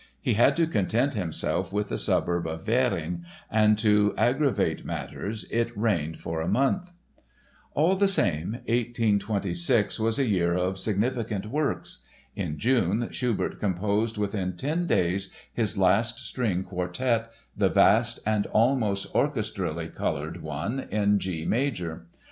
He had to content himself with the suburb of Währing and to aggravate matters it rained for a month. All the same, 1826 was a year of significant works. In June Schubert composed within ten days his last string quartet, the vast and almost orchestrally colored one in G major.